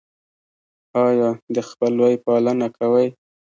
ایا د خپلوۍ پالنه کوئ؟